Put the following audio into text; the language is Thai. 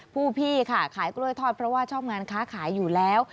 พี่ค่ะขายกล้วยทอดเพราะว่าชอบงานค้าขายอยู่แล้ว